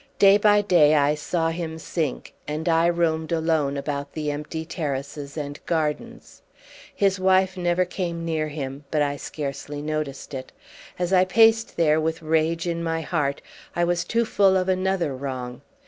Day by day I saw him sink, and I roamed alone about the empty terraces and gardens. His wife never came near him, but I scarcely noticed it: as I paced there with rage in my heart I was too full of another wrong.